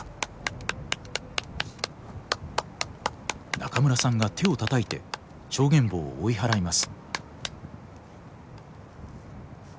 中村さんが手をたたいてチョウゲンボウを追い払います。